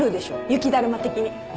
雪だるま的に。